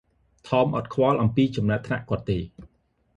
ថម អត់ខ្វល់អំពីចំណាត់ថ្នាក់គាត់ទេ។